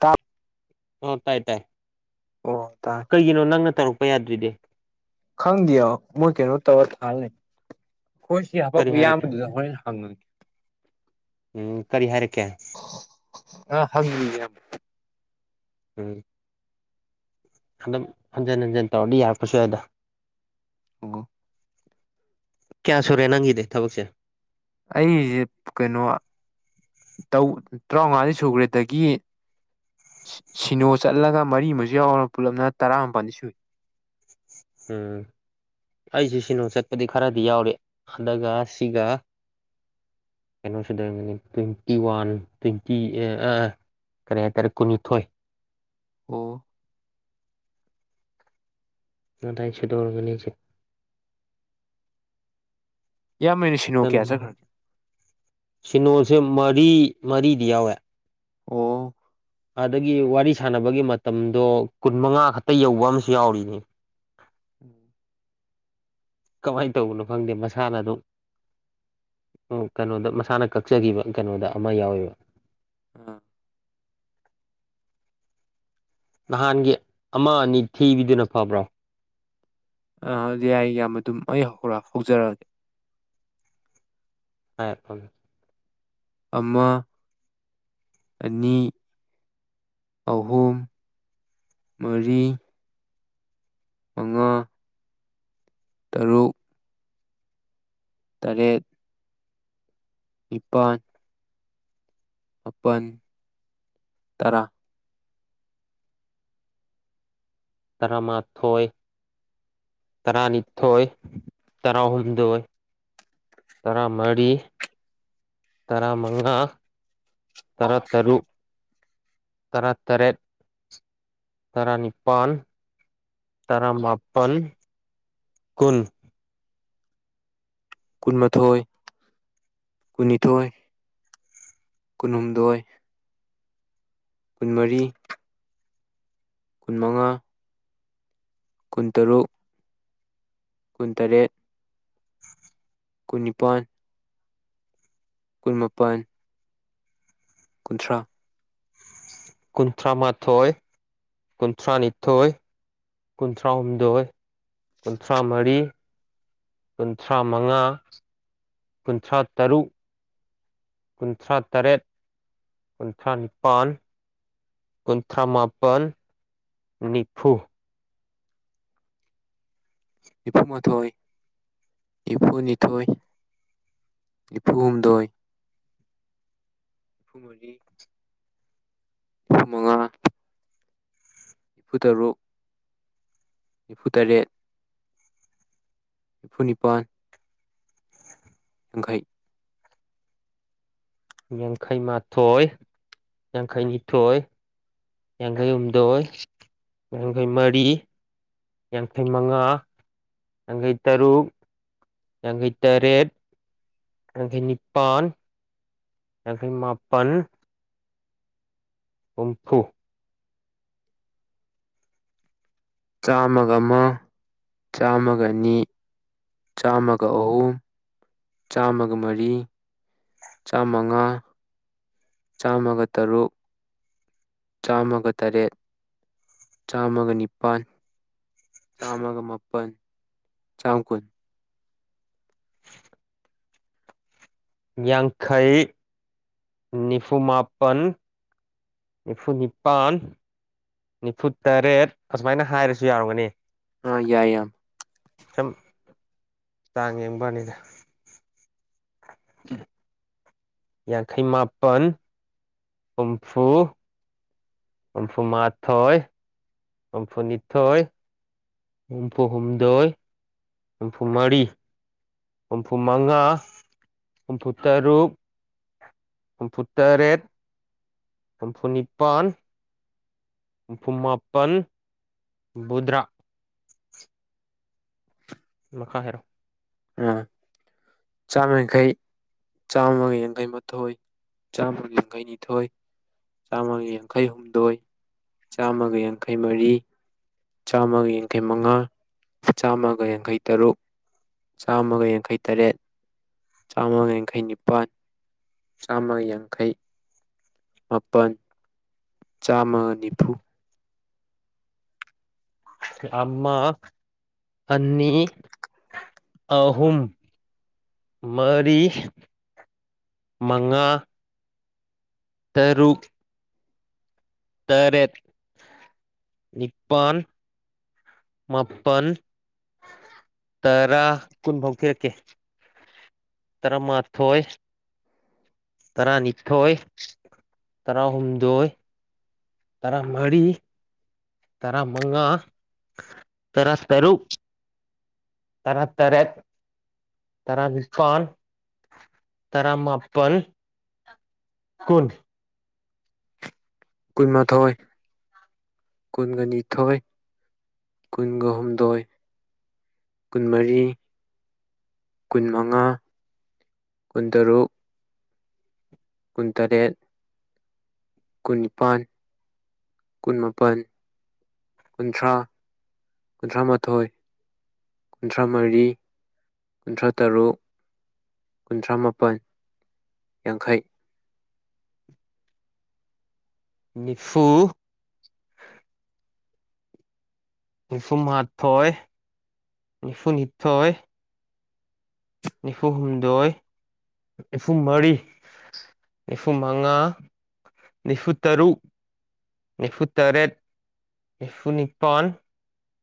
ꯇꯞ ꯑꯣ ꯇꯥꯏ ꯇꯥꯏ ꯑꯣ ꯇꯥꯢ ꯀꯩꯒꯤꯅꯣ ꯅꯪꯅ ꯇꯧꯔꯛꯄ ꯌꯥꯗ꯭ꯔꯤꯗꯤ ꯈꯪꯗꯦ ꯃꯣꯏ ꯀꯩꯅꯣ ꯇꯧꯔ ꯂꯩ ꯈꯣꯏ ꯁꯤ ꯀꯔꯤ ꯍꯥꯄꯛꯄ ꯍꯥꯏꯔꯛꯀꯦ ꯏꯌꯥꯝꯕꯗꯨꯗ ꯍꯣꯔꯦꯟ ꯍꯪꯉꯒꯦ ꯎꯝ ꯀꯔꯤ ꯍꯥꯏꯔꯛꯀꯦ ꯑ ꯍꯪꯗ꯭ꯔꯤꯌꯦ ꯎꯝ ꯑꯗꯨꯝ ꯍꯟꯖꯤꯟ ꯍꯟꯖꯤꯟ ꯇꯧꯔꯗꯤ ꯌꯥꯔꯛꯄꯁꯨ ꯌꯥꯏꯗꯥ ꯑꯣ ꯀꯌꯥ ꯁꯨꯔꯦ ꯅꯪꯒꯤꯗꯤ ꯊꯕꯛꯁꯦ ꯑꯩꯒꯤꯁꯦ ꯀꯩꯅꯣ ꯇꯧ ꯇꯔꯥꯃꯉꯥꯗꯤ ꯁꯨꯈ꯭ꯔꯦ ꯑꯗꯒꯤ ꯁꯤꯅꯣ ꯆꯠꯂꯒ ꯃꯔꯤ ꯑꯃꯁꯨ ꯌꯥꯎꯔ ꯄꯨꯜꯂꯞꯅ ꯇꯔꯥꯃꯄꯜꯗꯤ ꯁꯨꯏ ꯎꯝ ꯑꯩꯁꯤ ꯁꯤꯅꯅꯨꯡ ꯆꯠꯄꯗꯤ ꯈꯔꯗꯤ ꯌꯥꯎꯔꯤ ꯑꯗꯨꯒ ꯁꯤꯒ ꯀꯩꯅꯣꯁꯤꯗ ꯂꯩꯔꯝꯒꯅꯤ ꯇ꯭ꯋꯦꯟꯇꯤ ꯋꯥꯟ ꯇ꯭ꯋꯦꯟꯇꯤ ꯀꯔꯤ ꯍꯥꯏꯇꯥꯔꯦ ꯀꯨꯟꯅꯤꯊꯣꯏ ꯑꯣ ꯑꯗꯥꯏꯁꯨꯗꯧꯔꯕꯅꯤꯅꯥ ꯏꯌꯥꯝꯕꯩ ꯂꯤꯁꯤꯡ ꯁꯤꯅꯣꯁꯦ ꯃꯔꯤ ꯃꯔꯤꯗꯤ ꯌꯥꯎꯋꯦ ꯑꯣ ꯑꯗꯒꯤ ꯋꯥꯔꯤ ꯁꯥꯟꯅꯕꯒꯤ ꯃꯇꯝꯗꯣ ꯀꯨꯟ ꯃꯉꯥ ꯈꯛꯇ ꯌꯧꯕ ꯑꯃꯁꯨ ꯌꯥꯎꯔꯤꯅꯦ ꯎꯝ ꯀꯃꯥꯏꯅ ꯇꯧꯕꯅꯣ ꯈꯪꯗꯦ ꯃꯁꯥꯅ ꯑꯗꯨꯝ ꯑꯣ ꯀꯩꯅꯣꯗ ꯃꯁꯥꯅ ꯀꯛꯆꯈꯤꯕ ꯀꯩꯅꯣꯗ ꯑꯃ ꯌꯥꯎꯋꯦꯕ ꯑꯥ ꯅꯍꯥꯟꯒꯤ ꯑꯃ ꯑꯅꯤ ꯊꯤꯕꯤꯗꯨꯅ ꯐꯕ꯭ꯔꯣ ꯑ ꯑꯗꯨ ꯌꯥꯏ ꯏꯌꯥꯝꯕ ꯑꯗꯨꯝ ꯑꯩ ꯍꯧꯔ ꯍꯧꯖꯔꯛꯑꯒꯦ [unintelligible] ꯍꯣꯏ ꯍꯣꯏ ꯑꯃ ꯑꯅꯤ ꯑꯍꯨꯝ ꯃꯔꯤ ꯃꯉꯥ ꯇꯔꯨꯛ ꯇꯔꯦꯠ ꯅꯤꯄꯥꯥꯟ ꯃꯥꯄꯟ ꯇꯔꯥ ꯇꯔꯥꯃꯥꯊꯣꯏ ꯇꯔꯥꯅꯤꯊꯣꯏ ꯇꯔꯥꯍꯨꯝꯗꯣꯏ ꯇꯔꯥꯃꯔꯤ ꯇꯔꯥꯃꯉꯥ ꯇꯔꯥꯇꯔꯨꯛ ꯇꯔꯥꯇꯔꯦꯠ ꯇꯔꯥꯅꯤꯄꯥꯟ ꯇꯔꯥꯃꯥꯄꯟ ꯀꯨꯟ ꯀꯨꯟꯃꯥꯊꯣꯏ ꯀꯨꯟꯅꯤꯊꯣꯏ ꯀꯨꯟꯍꯨꯝꯗꯣꯏ ꯀꯨꯟꯃꯔꯤ ꯀꯨꯟꯃꯉꯥ ꯀꯨꯟꯇꯔꯨꯛ ꯀꯨꯟꯇꯔꯦꯠ ꯀꯨꯟꯅꯤꯄꯥꯟ ꯀꯨꯟꯃꯥꯄꯟ ꯀꯨꯟꯊ꯭ꯔꯥ ꯀꯨꯟꯊ꯭ꯔꯥꯃꯥꯥꯊꯣꯏ ꯀꯨꯟꯊ꯭ꯔꯥꯅꯤꯊꯣꯏ ꯀꯨꯟꯊ꯭ꯔꯥꯍꯨꯝꯗꯣꯏ ꯀꯨꯟꯊ꯭ꯔꯥꯃꯔꯤ ꯀꯨꯟꯊ꯭ꯔꯥꯃꯉꯥ ꯀꯨꯟꯊ꯭ꯔꯥꯇꯔꯨꯛ ꯀꯨꯟꯊ꯭ꯔꯥꯇꯔꯦꯠ ꯀꯨꯟꯊ꯭ꯔꯥꯅꯤꯄꯥꯟ ꯀꯨꯟꯊ꯭ꯔꯥꯃꯥꯄꯟ ꯅꯤꯐꯨ ꯅꯤꯐꯨꯃꯥꯊꯣꯏ ꯅꯤꯐꯨꯅꯤꯊꯣꯏ ꯅꯤꯐꯨꯍꯨꯝꯗꯣꯏ ꯅꯤꯐꯨꯃꯔꯤ ꯅꯤꯐꯨꯃꯉꯥ ꯅꯤꯐꯨꯇꯔꯨꯛ ꯅꯤꯐꯨꯇꯔꯦꯠ ꯅꯤꯐꯨꯅꯤꯄꯥꯟ ꯌꯥꯡꯈꯩ ꯌꯥꯡꯈꯩ ꯃꯥꯊꯣꯏ ꯌꯥꯡꯈꯩꯅꯤꯊꯣꯏ ꯌꯥꯡꯈꯩꯍꯨꯝꯗꯣꯏ ꯌꯥꯡꯈꯩꯃꯔꯤ ꯌꯥꯡꯈꯩ ꯃꯉꯥ ꯌꯥꯡꯈꯩ ꯇꯔꯨꯛ ꯌꯥꯡꯈꯩꯇꯔꯦꯠ ꯌꯥꯡꯈꯩ ꯅꯤꯄꯥꯟ ꯌꯥꯡꯈꯩ ꯃꯥꯄꯟ ꯍꯨꯝꯐꯨ ꯆꯥꯝꯃꯒ ꯑꯃ ꯆꯥꯝꯃꯒ ꯑꯅꯤ ꯆꯥꯝꯃꯒ ꯑꯍꯨꯝ ꯆꯥꯝꯃꯒ ꯃꯔꯤ ꯆꯥꯝꯃꯉꯥ ꯆꯥꯝꯃꯒ ꯇꯔꯨꯛ ꯆꯥꯝꯃꯒ ꯇꯔꯦꯠ ꯆꯥꯝꯃꯒ ꯅꯤꯄꯥꯟ ꯆꯥꯝꯃꯒ ꯃꯥꯄꯟ ꯆꯥꯝ ꯀꯨꯟ [inaudible] ꯌꯥꯡꯈꯩ ꯅꯤꯐꯨꯃꯥꯄꯟ ꯅꯤꯐꯨꯅꯤꯄꯥꯟ ꯅꯤꯐꯨ ꯇꯔꯦꯠ ꯑꯁꯨꯃꯥꯏꯅ ꯍꯥꯏꯔꯁꯨ ꯌꯥꯎꯔꯝꯒꯅꯤ ꯑꯥ ꯌꯥꯏ ꯌꯥꯝ ꯁꯝ ꯆꯥꯡ ꯌꯦꯡꯕꯅꯤꯗ ꯌꯥꯡꯈꯩ ꯃꯥꯄꯟ ꯍꯨꯝꯐꯨ ꯍꯨꯝꯐꯨꯃꯥꯊꯣꯏ ꯍꯨꯝꯐꯨꯅꯤꯊꯣꯏ ꯍꯨꯝꯐꯨ ꯍꯨꯝꯗꯣꯏ ꯍꯨꯝꯐꯨ ꯃꯔꯤ ꯍꯨꯝꯐꯨꯃꯉꯥ ꯍꯨꯝꯐꯨꯇꯔꯨꯛ ꯍꯨꯝꯐꯨ ꯇꯔꯦꯠ ꯍꯨꯝꯐꯨꯅꯤꯄꯥꯟ ꯍꯨꯝꯐꯨ ꯃꯥꯄꯟ ꯍꯨꯝꯐꯨꯇꯔꯥ ꯃꯈꯥ ꯍꯥꯏꯔꯛꯑꯣ ꯑꯥ ꯆꯥꯝ ꯌꯥꯡꯈꯩ ꯆꯥꯝꯃꯒ ꯌꯥꯡꯈꯩ ꯃꯥꯊꯣꯏ ꯆꯥꯝꯃꯒ ꯌꯥꯡꯈꯩ ꯅꯤꯊꯣꯏ ꯆꯥꯝꯃꯒ ꯌꯥꯡꯈꯩꯍꯨꯝꯗꯣꯏ ꯆꯥꯝꯃꯒ ꯌꯥꯡꯈꯩ ꯃꯔꯤ ꯆꯥꯝꯃꯒ ꯌꯥꯡꯈꯩ ꯃꯉꯥ ꯆꯥꯝꯃꯒ ꯌꯥꯡꯈꯩꯇꯔꯨꯛ ꯆꯥꯝꯃꯒ ꯌꯥꯡꯈꯩꯇꯔꯦꯠ ꯆꯥꯝꯃꯒ ꯌꯥꯡꯈꯩ ꯅꯤꯄꯥꯜ ꯆꯥꯝꯃꯒ ꯌꯥꯡꯈꯩ ꯃꯥꯄꯜ ꯆꯥꯝꯃ ꯅꯤꯐꯨ ꯑꯃ ꯑꯅꯤ ꯑꯍꯨꯝꯨ ꯃꯔꯤ ꯃꯉꯥ ꯇꯔꯨꯛ ꯇꯔꯦꯠ ꯅꯤꯄꯥꯟ ꯃꯥꯄꯟ ꯇꯔꯥ ꯀꯨꯟꯐꯧ ꯊꯤꯔꯛꯀꯦ ꯇꯔꯥꯃꯥꯊꯣꯏ ꯇꯔꯥꯅꯤꯊꯣꯏ ꯇꯔꯥꯍꯨꯝꯗꯣꯏ ꯇꯔꯥꯃꯔꯤ ꯇꯔꯥꯃꯉꯥ ꯇꯔꯥ ꯇꯔꯨꯛ ꯇꯔꯥꯇꯔꯦꯠ ꯇꯔꯥ ꯅꯤꯄꯥꯜ ꯇꯔꯥꯃꯄꯜ ꯀꯨꯟ ꯀꯨꯟꯃꯥꯊꯣꯏ ꯀꯨꯟꯒ ꯅꯤꯊꯣꯏ ꯀꯨꯟꯒ ꯍꯨꯝꯗꯣꯏ ꯀꯨꯟꯃꯔꯤ ꯀꯨꯟꯃꯉꯥ ꯀꯨꯟꯇꯔꯨꯛ ꯀꯨꯟꯇꯔꯦꯠ ꯀꯨꯟꯅꯤꯄꯥꯟ ꯀꯨꯟꯃꯥꯄꯟ ꯀꯨꯟꯊ꯭ꯔꯥ ꯀꯨꯟꯊ꯭ꯔꯥ ꯃꯥꯊꯣꯏ ꯀꯨꯟꯊ꯭ꯔꯥ ꯃꯔꯤ ꯀꯨꯟꯊ꯭ꯔꯥ ꯇꯔꯨꯛ ꯀꯨꯟꯊ꯭ꯔꯥ ꯃꯥꯄꯟ ꯌꯥꯡꯈꯩ ꯅꯤꯐꯨ ꯅꯤꯐꯨꯃꯥꯊꯣꯏ ꯅꯤꯐꯨꯅꯤꯊꯣꯏ ꯅꯤꯐꯨ ꯍꯨꯝꯗꯣꯏ ꯅꯤꯐꯨ ꯃꯔꯤ ꯅꯤꯐꯨ ꯃꯉꯥ ꯅꯤꯐꯨ ꯇꯔꯨꯛ ꯅꯤꯐꯨꯇꯔꯦꯠ ꯅꯤꯐꯨꯅꯤꯄꯥꯜ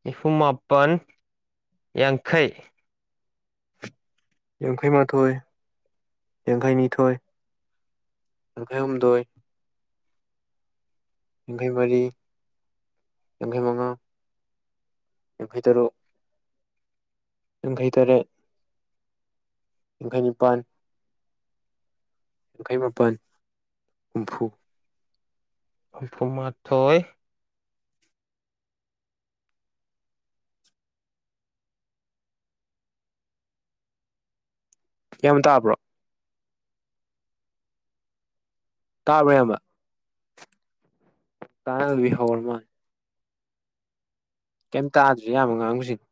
ꯅꯤꯐꯨꯃꯄꯟ ꯌꯥꯡꯈꯩ ꯌꯦꯡꯈꯩ ꯃꯥꯊꯣꯏ ꯌꯦꯡꯈꯩꯅꯤ ꯊꯣꯏ ꯌꯥꯡꯈꯩ ꯍꯨꯝꯗꯣꯏ ꯌꯥꯡꯈꯩ ꯃꯔꯤ ꯌꯥꯡꯈꯩ ꯃꯉꯥ ꯌꯥꯡꯈꯩ ꯇꯔꯨꯛ ꯌꯥꯡꯈꯩꯇꯔꯦꯠ ꯌꯥꯡꯈꯩ ꯅꯤꯄꯥꯟ ꯌꯥꯡꯈꯩ ꯃꯥꯄꯜ ꯍꯨꯝꯐꯨ ꯐꯨ ꯃꯥꯥꯊꯣꯏ ꯌꯥꯝ ꯇꯥꯕ꯭ꯔꯣ ꯇꯥꯕꯅꯦꯕ ꯇꯥꯕꯤ ꯍꯕꯔ ꯃꯥ [unintelligible] ꯀꯩꯝꯇ ꯇꯗ꯭ꯔꯦ ꯏꯌꯥꯝꯕꯅ ꯉꯥꯡꯕꯁꯤꯡꯘꯣ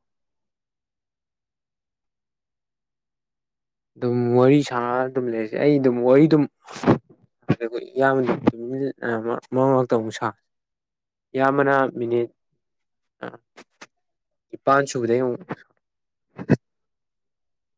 ꯑꯗꯨꯝ ꯋꯥꯔꯤ ꯁꯥꯟꯅ ꯑꯗꯨꯝ ꯂꯩꯔꯁꯦ ꯑꯩ ꯑꯗꯨꯝ ꯋꯥꯔꯤ ꯑꯗꯨꯝ ꯑꯗꯨꯒ ꯏꯌꯥꯝꯕ ꯃꯔꯛ ꯃꯔꯛꯇ ꯑꯃꯨꯛ ꯁꯥ ꯌꯥꯝꯕꯅ ꯃꯤꯅꯤꯠ ꯑ ꯅꯤꯄꯥꯜ ꯁꯨꯕꯗꯩ ꯑꯃꯨꯛ